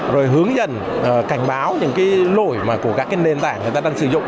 rồi hướng dẫn cảnh báo những lỗi của các nền tảng người ta đang sử dụng